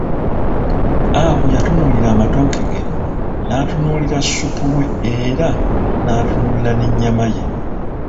Aku yatunuulira amatooke ge, n'atunuulira supu we era n'atunulira n'ennyama ye .